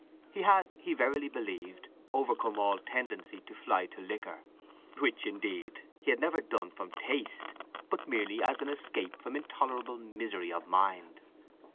He had, he verily believed, overcome all tendency to fly to liquor—which, indeed, he had never done from taste, but merely as an escape from intolerable misery of mind.